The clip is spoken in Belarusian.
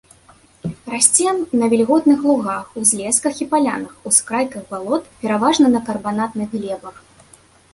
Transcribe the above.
Расце на вільготных лугах, узлесках і палянах, ускрайках балот, пераважна на карбанатных глебах.